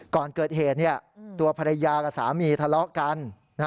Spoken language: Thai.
ก่อนเกิดเหตุตัวภรรยากับสามีทะเลาะกัน